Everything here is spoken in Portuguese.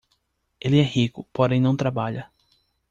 Ele é rico, porém não trabalha.